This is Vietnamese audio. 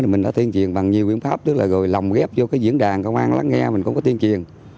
mình đã tiên triền bằng nhiều biện pháp tức là rồi lòng ghép vô cái diễn đàn công an lắng nghe mình cũng có tiên triền